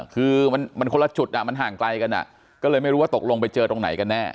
คือมันคนละจุดมันห่างไกลกันก็เลยไม่รู้ว่าตกลงไปเจอตรงไหนกันแน่